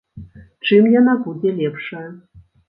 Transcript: Чым яна будзе лепшая?